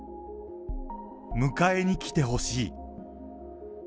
迎えに来てほしい。